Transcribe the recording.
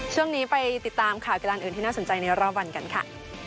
ช่วงนี้ไปติดตามข่าวกีฬานอื่นที่น่าสนใจในรอบวันกันค่ะ